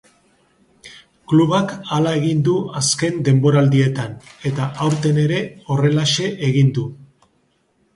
Klubak hala egin du azken denboraldietan eta aurten ere horrelaxe egin du.